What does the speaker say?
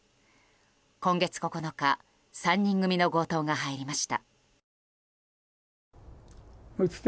今月９日３人組の強盗が入りました。